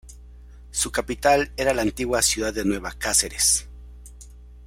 Su capital era la antigua ciudad de Nueva Cáceres.